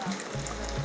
sampe saat tertulis